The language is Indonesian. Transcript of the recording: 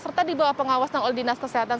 serta dibawa pengawasan oleh dinas kesehatan